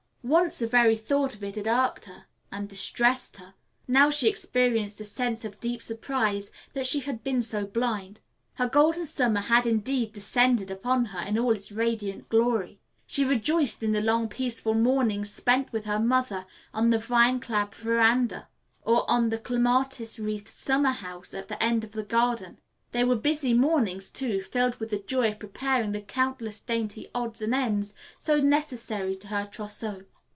Once the very thought of it had irked and distressed her. Now she experienced a sense of deep surprise that she had been so blind. Her Golden Summer had indeed descended upon her in all its radiant glory. She rejoiced in the long peaceful mornings spent with her mother on the vine clad veranda, or in the clematis wreathed summer house at the end of the garden. They were busy mornings, too, filled with the joy of preparing the countless dainty odds and ends, so necessary to her trousseau.